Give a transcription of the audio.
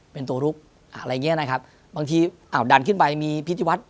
เป็นตัวลุกอะไรอย่างเงี้ยนะครับบางทีอ้าวดันขึ้นไปมีพิธีวัฒน์